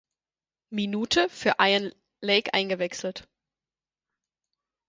Minute für Ian Lake eingewechselt.